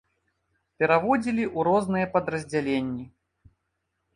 Пераводзілі ў розныя падраздзяленні.